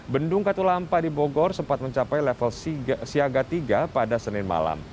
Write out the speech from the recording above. bendung katulampa di bogor sempat mencapai level siaga tiga pada senin malam